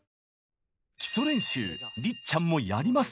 基礎練習りっちゃんもやります！